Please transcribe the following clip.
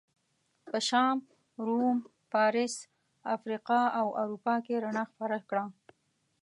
په شام، روم، فارس، افریقا او اروپا کې رڼا خپره کړه.